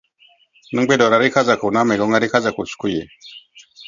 नों बेदरारि खाजाखौ ना मैगङारि खाजाखौ मोजां मोनो?